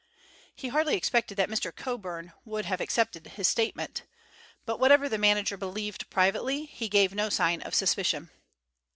He hardly expected that Mr. Coburn would have accepted his statement, but whatever the manager believed privately, he gave no sign of suspicion.